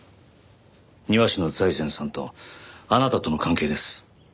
庭師の財前さんとあなたとの関係です。